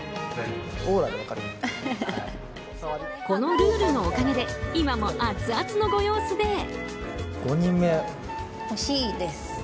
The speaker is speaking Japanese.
このルールのおかげで今もアツアツのご様子で。